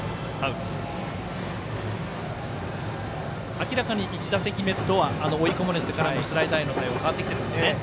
明らかに１打席目とは追い込まれてからのスライダーへの対応変わってきてますね。